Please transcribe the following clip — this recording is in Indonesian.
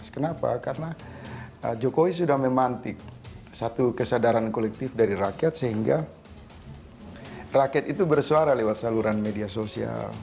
kenapa karena jokowi sudah memantik satu kesadaran kolektif dari rakyat sehingga rakyat itu bersuara lewat saluran media sosial